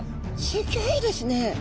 すギョいですね！